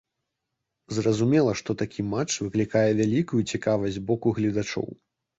Зразумела, што такі матч выклікае вялікую цікавасць з боку гледачоў.